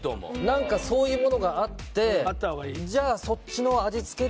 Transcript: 何かそういうものがあってじゃあ